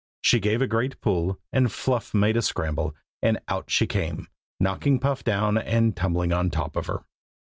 She gave a great pull, and Fluff made a scramble, and out she came, knocking Puff down and tumbling on top of her.